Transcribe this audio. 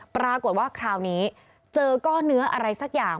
ปรากฏว่าคราวนี้เจอก้อนเนื้ออะไรสักอย่าง